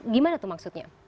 gimana tuh maksudnya